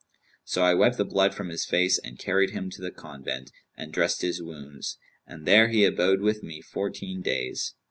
So I wiped the blood from his face and carried him to the convent, and dressed his wounds; and there he abode with me fourteen days.